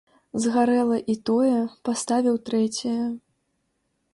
Згарэла і тое, паставіў трэцяе.